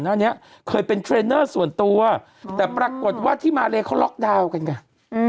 หน้านี้เคยเป็นเทรนเนอร์ส่วนตัวแต่ปรากฏว่าที่มาเลเขาล็อกดาวน์กันไง